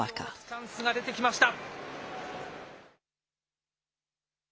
チャンスが出てきました。